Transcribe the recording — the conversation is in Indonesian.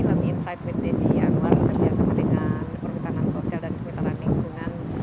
let me insight with desi yang baru kerja sama dengan perbintangan sosial dan perbintangan lingkungan